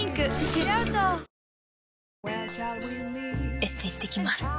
エステ行ってきます。